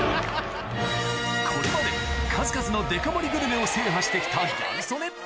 ・これまで数々のデカ盛りグルメを制覇してきたギャル曽根